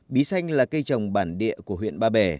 bí xanh là cây trồng bản địa của huyện ba bể